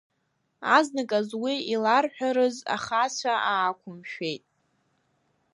Азныказ уи иларҳәарыз ахацәа аақәымшәеит.